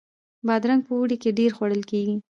بادرنګ په اوړي کې ډیر خوړل کیږي